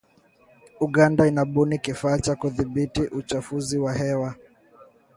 Uganda inabuni kifaa cha kudhibiti uchafuzi wa hewa